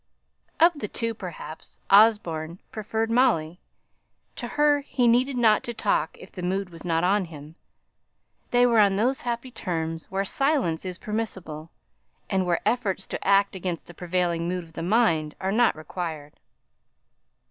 Of the two, perhaps, Osborne preferred Molly; to her he needed not to talk if the mood was not on him they were on those happy terms where silence is permissible, and where efforts to act against the prevailing mood of the mind are not required.